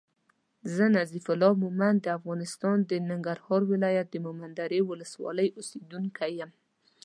زه نظیف الله مومند د افغانستان د ننګرهار ولایت د مومندرې ولسوالی اوسېدونکی یم